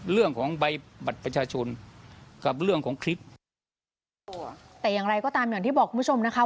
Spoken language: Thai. เรื่องของใบบัตรประชาชนกับเรื่องของคลิปแต่อย่างไรก็ตามอย่างที่บอกคุณผู้ชมนะคะ